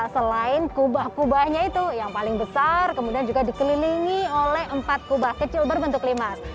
selain kubah kubahnya itu yang paling besar kemudian juga dikelilingi oleh empat kubah kecil berbentuk limas